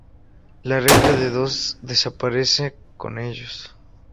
La regla de dos desaparece con ellos.